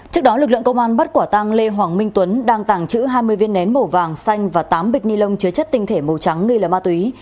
trước đó lực lượng công an bắt quả tăng lê hoàng minh tuấn đang tàng trữ hai mươi viên nén màu vàng xanh và tám bịch nilon chứa chất tinh thể màu trắng ghi là ma túy